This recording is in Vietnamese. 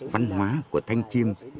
văn hóa của thanh chiêm